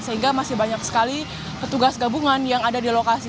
sehingga masih banyak sekali petugas gabungan yang ada di lokasi